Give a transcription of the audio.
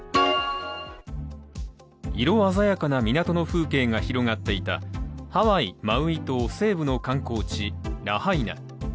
色鮮やかな港の風景が広がっていたハワイ・マウイ島西部の観光地、ラハイナ。